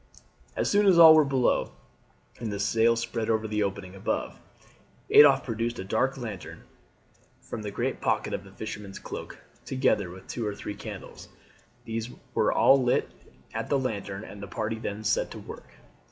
As soon as all were below, and the sail spread over the opening above, Adolphe produced a dark lantern from the great pocket of his fisherman's cloak, together with two or three candles. These were lit at the lantern, and the party then set to work.